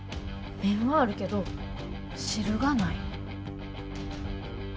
麺はあるけど汁がない。